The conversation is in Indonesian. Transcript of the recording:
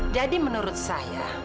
jadi menurut saya